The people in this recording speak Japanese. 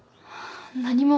何も。